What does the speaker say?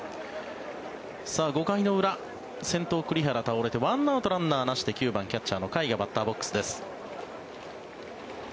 ５回の裏、先頭の栗原倒れて１アウト、ランナーなしで９番キャッチャーの甲斐がバッターボックスです。